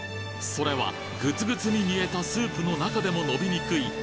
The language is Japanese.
それはグツグツに煮えたスープの中でも伸びにくい